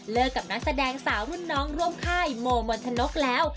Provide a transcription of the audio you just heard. กับนักแสดงสาวรุ่นน้องร่วมค่ายโมมนธนกแล้ว